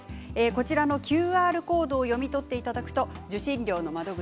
こちらのＱＲコードを読み取っていただくと受信料の窓口